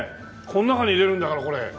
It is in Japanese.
この中に入れるんだからこれ。